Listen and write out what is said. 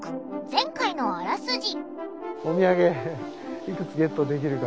前回のあらすじ。